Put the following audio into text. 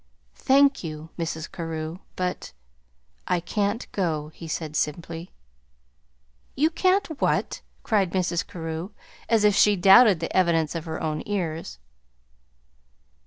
"Thank you, Mrs. Carew, but I can't go," he said simply. "You can't what?" cried Mrs. Carew, as if she doubted the evidence of her own ears.